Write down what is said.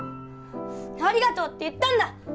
ありがとうって言ったんだ！